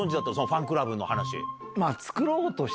ファンクラブの話。